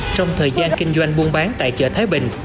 trong thời gian kinh doanh buôn bán tại chợ thái bình